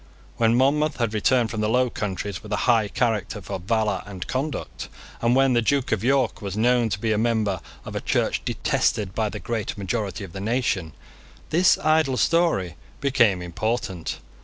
When Monmouth had returned from the Low Countries with a high character for valour and conduct, and when the Duke of York was known to be a member of a church detested by the great majority of the nation, this idle story became important.